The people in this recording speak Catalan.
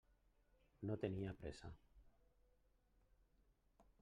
No tenia pressa.